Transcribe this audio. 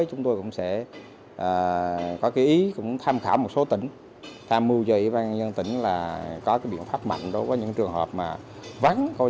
chúng tôi sẽ có ý tham khảo một số tỉnh tham mưu cho ủy ban nhân tỉnh có biện pháp mạnh đối với những trường hợp vắng